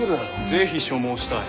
是非所望したい。